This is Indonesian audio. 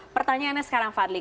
pertanyaannya sekarang fadli